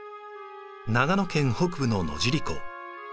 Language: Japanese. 長野県北部の野尻湖。